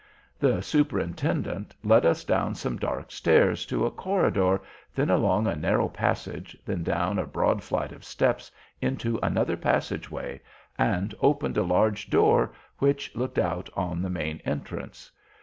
The Superintendent led us up some dark stairs to a corridor, then along a narrow passage, then down a broad flight of steps into another passageway, and opened a large door which looked out on the main entrance.